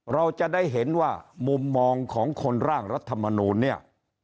เราจะได้เห็นว่ามุมมองของคนร่างรัฐมนูลเนี่ย